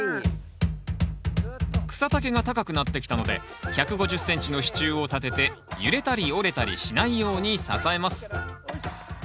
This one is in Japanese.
草丈が高くなってきたので１５０ｃｍの支柱を立てて揺れたり折れたりしないように支えます。